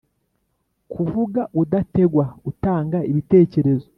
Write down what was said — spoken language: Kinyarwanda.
Kuvuga udategwa utanga ibitekerezo